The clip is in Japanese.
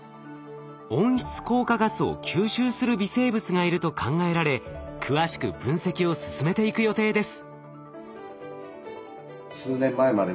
温室効果ガスを吸収する微生物がいると考えられ詳しく分析を進めていく予定です。